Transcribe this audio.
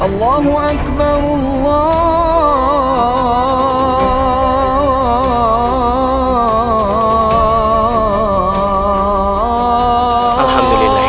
allahu akbar allah